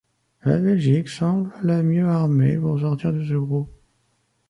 La Belgique semble la mieux armée pour sortir de ce groupe.